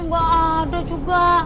gak ada juga